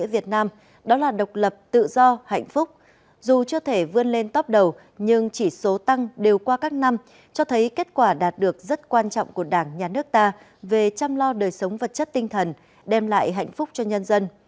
với chỉ số tăng đều qua các năm cho thấy kết quả đạt được rất quan trọng của đảng nhà nước ta về chăm lo đời sống vật chất tinh thần đem lại hạnh phúc cho nhân dân